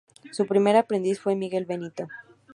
Su primer aprendiz fue Miguel Benito.